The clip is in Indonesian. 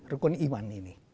rukun iman ini